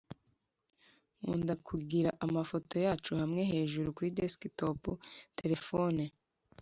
nkunda kugira amafoto yacu hamwe hejuru kuri desktop, terefone